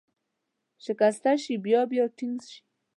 شکسته شي، بیا بیا ټینګ شي.